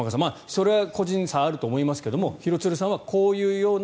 それは個人差、あると思いますが廣津留さんはこういうような。